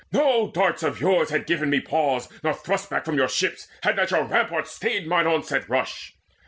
no darts of yours Had given me pause, nor thrust back from your ships, Had not your rampart stayed mine onset rush.